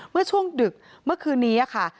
เมื่อช่วงดึกเมื่อคืนนี้ค่ะ